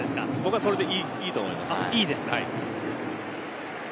僕はそれでいいと思います。